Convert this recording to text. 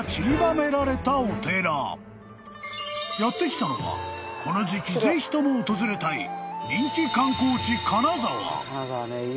［やって来たのはこの時期ぜひとも訪れたい人気観光地］